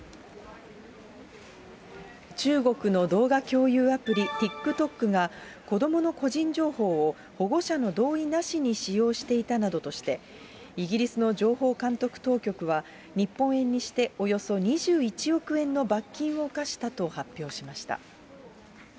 中国の動画共有アプリ、ＴｉｋＴｏｋが、子どもの個人情報を保護者の同意なしに使用していたなどとして、イギリスの情報監督当局は、日本円にしておよそ２１億円の罰金を科したと発表しました。